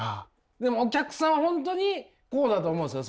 でもお客さんは本当にこうだと思うんです。